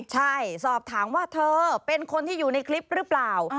ใช่สอบถามว่าเธอเป็นคนที่อยู่ในคลิปหรือเปล่า